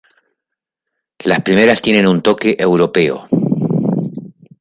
Las primeras tienen un toque europeo.